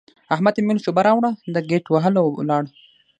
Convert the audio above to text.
احمد ته مې وويل چې اوبه راوړه؛ ده ګيت وهل او ولاړ.